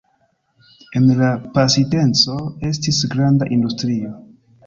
En la pasinteco estis granda industrio.